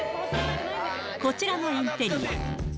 こちらのインテリア。